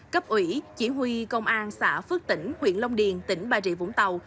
cấp ủy chỉ huy công an xã phước tỉnh huyện long điền tỉnh bà rịa vũng tàu